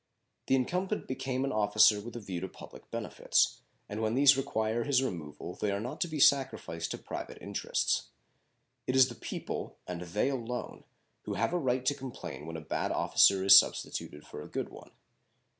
The incumbent became an officer with a view to public benefits, and when these require his removal they are not to be sacrificed to private interests. It is the people, and they alone, who have a right to complain when a bad officer is substituted for a good one.